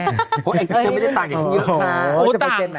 แล้วมินก็ไม่ได้ต่างกับชิ้นอยู่ป่ะ